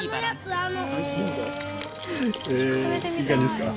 へえいい感じですか？